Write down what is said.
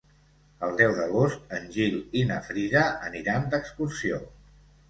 El deu d'agost en Gil i na Frida aniran d'excursió.